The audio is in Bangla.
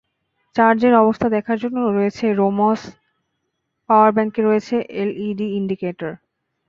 চার্জের অবস্থা দেখার জন্য রয়েছে রোমোস পাওয়ার ব্যাংকে রয়েছে এলইডি ইন্ডিকেটর।